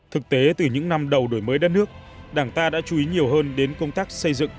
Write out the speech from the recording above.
thực tế từ những năm đầu đổi mới đất nước đảng ta đã chú ý nhiều hơn đến công tác xây dựng